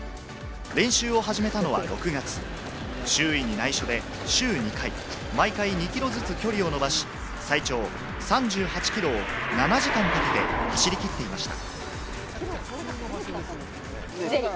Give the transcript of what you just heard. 練習を始めたのは６月、周囲に内緒で週２回、毎回２ｋｍずつ距離を伸ばし、最長３８ｋｍを７時間かけて走りきっていました。